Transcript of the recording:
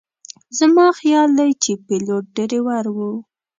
زما خیال دی چې پیلوټ ډریور و.